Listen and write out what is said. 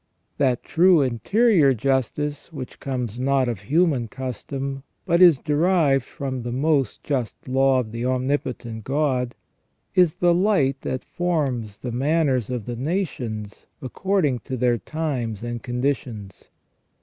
That true interior justice which comes not of human custom, but is derived from the most just law of the Omnipotent God, is the ON JUSTICE AND MORAL EVIL. 201 light that forms the manners of the nations according to their times and conditions.